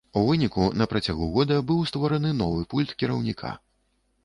У выніку на працягу года быў створаны новы пульт кіраўніка.